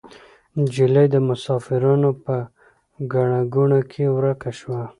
نجلۍ د مسافرانو په ګڼه ګوڼه کې ورکه شوه.